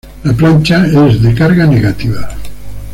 La plancha, es de carga negativa.